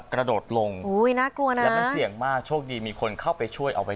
กระโดดลงอุ้ยน่ากลัวนะแล้วมันเสี่ยงมากโชคดีมีคนเข้าไปช่วยเอาไว้